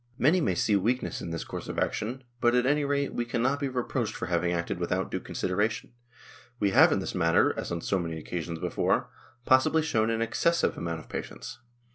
Many may see weakness in this course of action ; but, at any rate, we cannot be re proached with having acted without due consideration. We have in this matter, as on so many occasions before, possibly shown an excessive amount of patience.